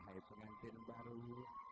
wahai pengantin baru